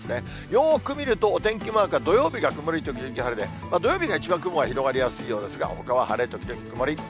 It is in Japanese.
よーく見ると、お天気マークは土曜日が曇り時々晴れで、土曜日が一番、雲が広がりやすいようですが、ほかは晴れ時々曇り。